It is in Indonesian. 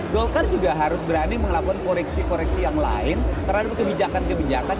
golkar juga harus berani melakukan koreksi koreksi yang lain terhadap kebijakan kebijakan